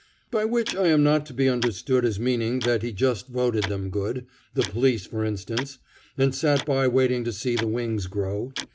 By which I am not to be understood as meaning that he just voted them good the police, for instance and sat by waiting to see the wings grow.